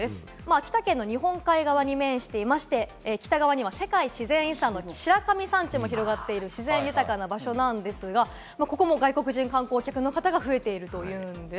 秋田県の日本海側に面していまして、北側には世界自然遺産の白神山地も広がっている自然豊かな場所なんですが、ここも外国人観光客の方が増えているというんです。